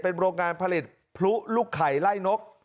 เป็นโรงงานผลิตพลุลูกไข่ไล่นก